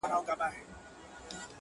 یوه ورځ صحرايي راغی پر خبرو!